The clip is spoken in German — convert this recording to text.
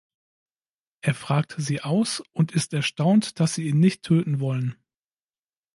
Er fragt sie aus und ist erstaunt, dass sie ihn nicht töten wollen.